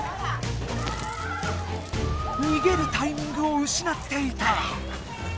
逃げるタイミングをうしなっていた！